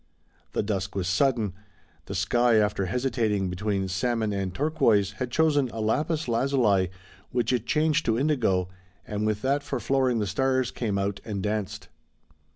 The dusk was sudden. The sky after hesitating between salmon and turquoise had chosen a lapis lazuli, which it changed to indigo, and with that for flooring the stars came out and danced.